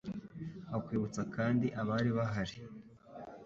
akwibutsa kandi abari bahari